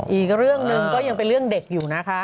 อีกเรื่องหนึ่งก็ยังเป็นเรื่องเด็กอยู่นะคะ